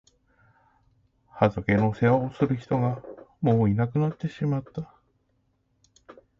畑の世話をする人がもういなくなってしまった。